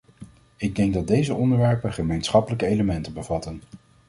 Ik denk dat deze onderwerpen gemeenschappelijke elementen bevatten.